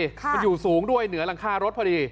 มันอยู่สูงด้วยเหนือหลังคารถพอดี